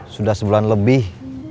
sudah sebulan lebih